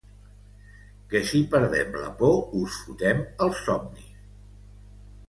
Que si perdem la por, us fotem els somnis.